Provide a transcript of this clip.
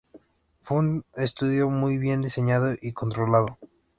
Fue un estudio muy bien diseñado y controlado.